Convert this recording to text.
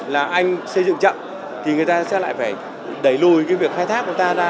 là anh xây dựng chậm thì người ta sẽ lại phải đẩy lùi cái việc khai thác của ta ra